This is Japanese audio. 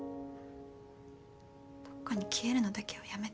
どっかに消えるのだけはやめて。